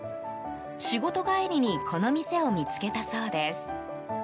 仕事帰りにこの店を見つけたそうです。